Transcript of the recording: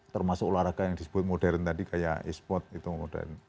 termasuk olahraga yang disebut modern tadi kayak e sport itu modern